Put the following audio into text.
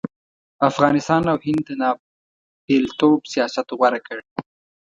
افغانستان او هند د ناپېلتوب سیاست غوره کړ.